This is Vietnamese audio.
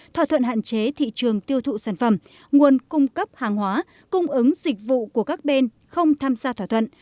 thỏa thuận hạn chế thị trường tiêu thụ sản phẩm nguồn cung cấp hàng hóa cung ứng dịch vụ của các bên không tham gia thỏa thuận